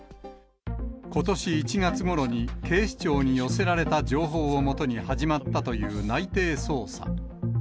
ことし１月ごろに警視庁に寄せられた情報をもとに始まったという内偵捜査。